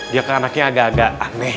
dia ke anaknya agak agak aneh